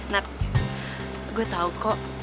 nat gue tau kok